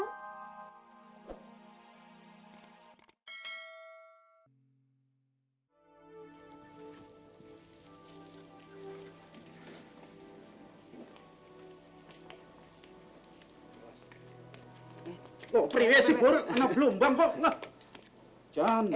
loh pria sih bur enak belum bang kok